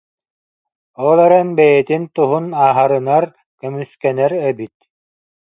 Ол эрэн бэйэтин туһун аһарынар, көмүскэнэр эбит